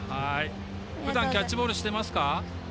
ふだんキャッチボールしてますか？